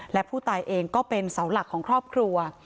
และผู้ตายเองก็เป็นเสาหลักของครอบครัว